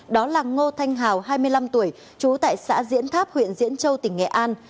đó là ngô thanh hào hai mươi năm tuổi trú tại xã diễn tháp huyện diễn châu tỉnh nghệ an